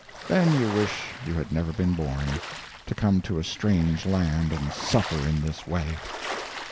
Then you wish you had never been born, to come to a strange land and suffer in this way.